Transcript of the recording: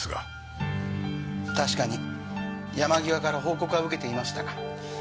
確かに山際から報告は受けていましたが。